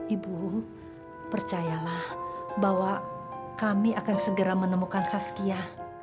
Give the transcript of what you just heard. ibu percayalah bahwa kami akan segera menemukan saskia